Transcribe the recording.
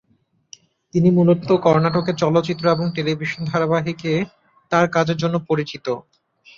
তিনি মূলত কর্ণাটকের চলচ্চিত্র এবং টেলিভিশন ধারাবাহিকে তাঁর কাজের জন্য পরিচিত।